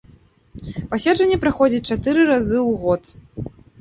Паседжанні праходзяць чатыры разу ў год.